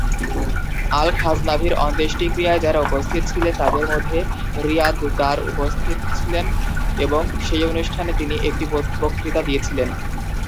আল-খাজনাভির অন্ত্যেষ্টিক্রিয়ায় যারা উপস্থিত ছিলেন তাদের মধ্যে রিয়াদ দার উপস্থিত ছিলেন এবং সেই অনুষ্ঠানে তিনি একটি বক্তৃতা দিয়েছিলেন।